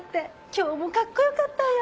今日もカッコよかったよ！